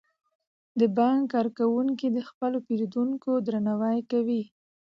د بانک کارکوونکي د خپلو پیرودونکو درناوی کوي.